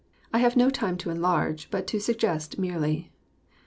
I have no time to enlarge, but to suggest merely.